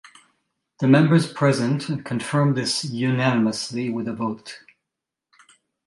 The members present confirmed this unanimously with a vote.